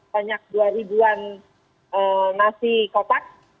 banyak dua ribuan nasi kotak